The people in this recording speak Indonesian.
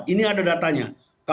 ini ada datanya